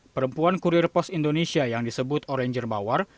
perempuan kurir pos indonesia yang disebut oranger mawar